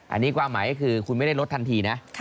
อันนี้ความหมายก็คือคุณไม่ได้ลดทันทีนะ